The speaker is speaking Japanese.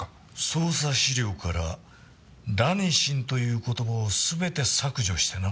捜査資料から「ラニシン」という言葉を全て削除してな。